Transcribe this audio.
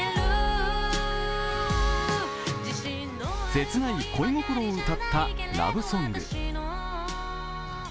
切ない恋心を歌ったラブソング。